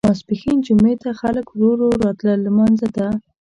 ماسپښین جمعې ته خلک ورو ورو راتلل لمانځه ته.